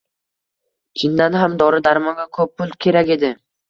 Chindan ham, dori-darmonga ko`p pul kerak edi